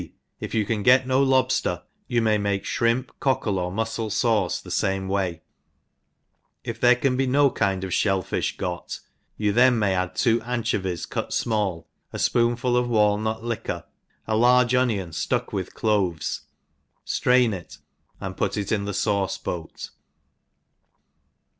If you can get no lobfter, you may make flirimp, cockle, or mufcle fauce the fame way ; if there cfti be no kind of fhell fifh got, yoa then may add two anchovies cut fmall, a fpoonful of walnut liquor, a large onion ftuck with cloves, ftrain it and put it in the fauce * boat.